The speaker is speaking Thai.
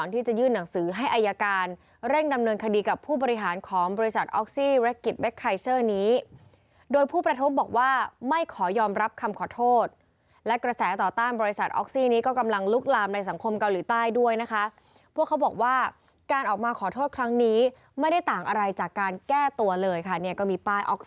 ที่จะยื่นหนังสือให้อายการเร่งดำเนินคดีกับผู้บริหารของบริษัทออกซี่และกิจเคเซอร์นี้โดยผู้ประทบบอกว่าไม่ขอยอมรับคำขอโทษและกระแสต่อต้านบริษัทออกซี่นี้ก็กำลังลุกลามในสังคมเกาหลีใต้ด้วยนะคะพวกเขาบอกว่าการออกมาขอโทษครั้งนี้ไม่ได้ต่างอะไรจากการแก้ตัวเลยค่ะเนี่ยก็มีป้ายออก